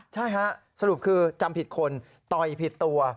ใช่ฮะสรุปคือจำผิดคนต่อยผิดตัว